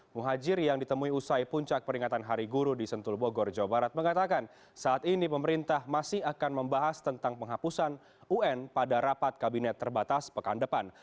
muhajir yang ditemui usai puncak peringatan hari guru di sentul bogor jawa barat mengatakan saat ini pemerintah masih akan membahas tentang penghapusan un pada rapat kabinet terbatas pekan depan